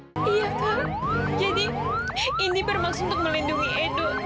sampai jumpa di video selanjutnya